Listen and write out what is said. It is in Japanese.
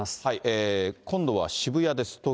今度は渋谷です。